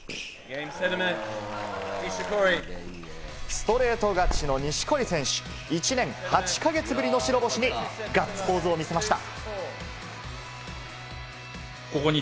ストレート勝ちの錦織選手、１年８か月ぶりの白星にガッツポーズを見せました。